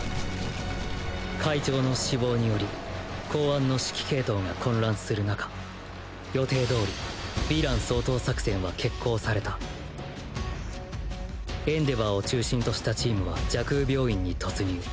会長の死亡により公安の指揮系統が混乱する中予定通りヴィラン掃討作戦は決行されたエンデヴァーを中心としたチームは蛇腔病院に突入。